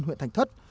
huyện thành thất